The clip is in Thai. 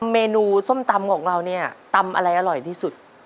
เมนูส้มตำของเราเนี่ยตำอะไรอร่อยที่สุด